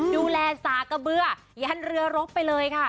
ดูแลสากระเบื้อยันเรือรบไปเลยค่ะ